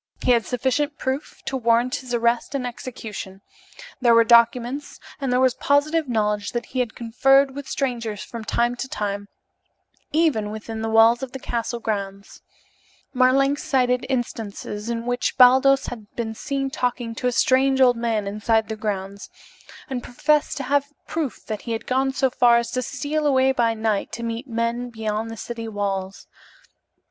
He had sufficient proof to warrant his arrest and execution; there were documents, and there was positive knowledge that he had conferred with strangers from time to time, even within the walls of the castle grounds. Marlanx cited instances in which Baldos had been seen talking to a strange old man inside the grounds, and professed to have proof that he had gone so far as to steal away by night to meet men beyond the city walls.